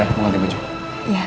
yang tolong lima anak mu verts